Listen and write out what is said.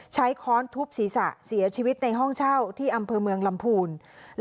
ค้อนทุบศีรษะเสียชีวิตในห้องเช่าที่อำเภอเมืองลำพูน